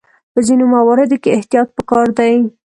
په ځینو مواردو کې احتیاط پکار دی.